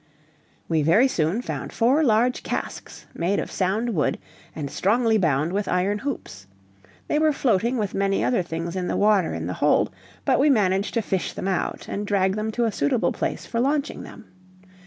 We very soon found four large casks, made of sound wood, and strongly bound with iron hoops; they were floating with many other things in the water in the hold, but we managed to fish them out, and drag them to a suitable place for launching them.